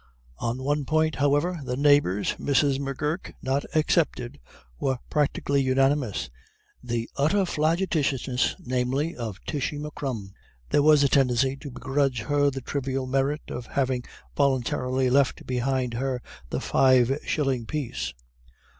On one point, however, the neighbours, Mrs. M'Gurk not excepted, were practically unanimous, the utter flagitiousness, namely, of Tishy M'Crum. There was a tendency to begrudge her the trivial merit of having voluntarily left behind her the five shilling piece.